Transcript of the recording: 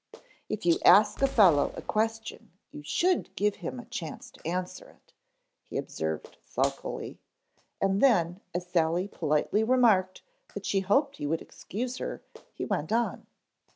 "If you ask a fellow a question you should give him a chance to answer it," he observed sulkily. And then, as Sally politely remarked that she hoped he would excuse her, he went on.